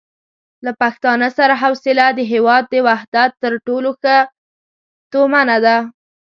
له پښتانه سره حوصله د هېواد د وحدت تر ټولو ښه تومنه ده.